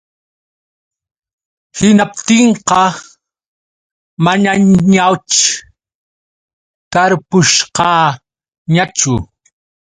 Hinaptinqa manañaćh tarpushqaañachu.